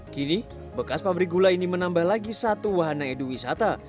kini bekas pabrik gula ini menambah lagi satu wahana edu wisata